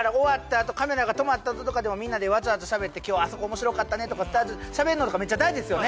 あとカメラが止まったあととかでもみんなでわちゃわちゃしゃべって今日あそこ面白かったねとかしゃべんのとかめっちゃ大事ですよね